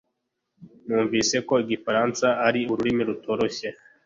Numvise ko Igifaransa ari ururimi rutoroshye.